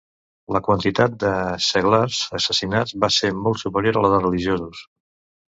La quantitat de seglars assassinats va ser molt superior a la de religiosos.